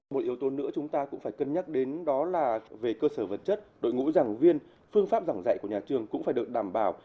một yếu tố nữa chúng ta cũng phải cân nhắc đến đó là về cơ sở vật chất đội ngũ giảng viên phương pháp giảng dạy của nhà trường cũng phải được đảm bảo